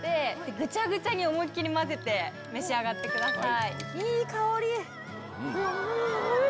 ぐちゃぐちゃに思いっ切り混ぜて召し上がってください。